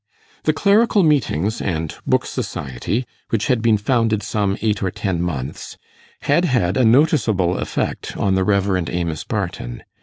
The Clerical Meetings and Book Society, which had been founded some eight or ten months, had had a noticeable effect on the Rev. Amos Barton.